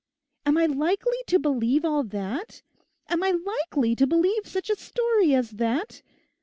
Am I likely to believe all that? Am I likely to believe such a story as that?